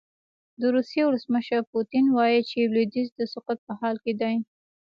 د روسیې ولسمشر پوتین وايي چې لویدیځ د سقوط په حال کې دی.